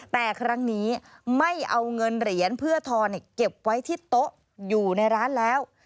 แต่ครั้งนี้ไม่เอาเงินเหรียญเพื่อทอนเก็บไว้ที่โต๊ะอยู่ในร้านแล้ว